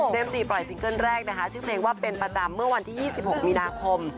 จีปล่อยซิงเกิ้ลแรกนะคะชื่อเพลงว่าเป็นประจำเมื่อวันที่๒๖มีนาคม